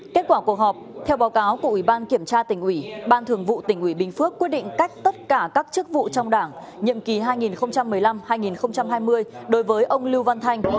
kết quả cuộc họp theo báo cáo của ủy ban kiểm tra tỉnh ủy ban thường vụ tỉnh ủy bình phước quyết định cách tất cả các chức vụ trong đảng nhiệm kỳ hai nghìn một mươi năm hai nghìn hai mươi đối với ông lưu văn thanh